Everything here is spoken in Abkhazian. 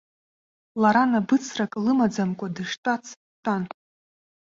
Лара набыцрак лымаӡамкәа дыштәац дтәан.